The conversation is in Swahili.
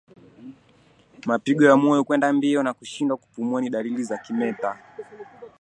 Mapigo ya moyo kwenda mbio na kushindwa kupumua ni dalili za kimeta